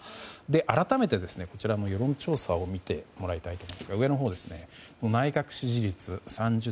改めて、こちらの世論調査を見てもらいたいんですが内閣支持率、３０．５％。